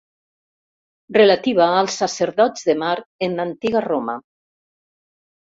Relativa als sacerdots de Mart en l'antiga Roma.